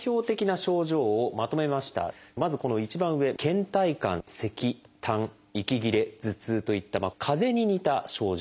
まずこの一番上けん怠感せきたん息切れ頭痛といったかぜに似た症状